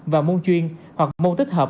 và môn chuyên hoặc môn tích hợp